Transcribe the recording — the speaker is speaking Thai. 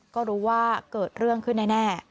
ก็รู้ว่าเกิดเรื่องขึ้นแน่